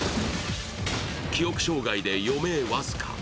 記憶障害で余命僅か。